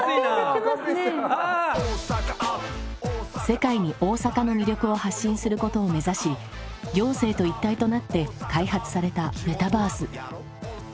世界に大阪の魅力を発信することを目指し行政と一体となって開発されたメタバース。